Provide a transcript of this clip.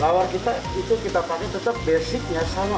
lawar kita itu kita pakai tetap basicnya sama pakai basa genut